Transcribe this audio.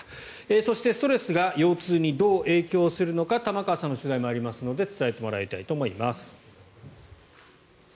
そして、ストレスが腰痛にどう影響するのか玉川さんの取材もありますので伝えてもらいたいと思います。